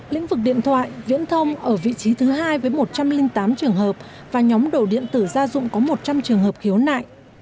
lĩnh vực điện thoại viễn thông ở vị trí thứ hai với một trăm linh tám trường hợp và nhóm đổ điện tử gia dụng có một trăm linh trường hợp khiếu nại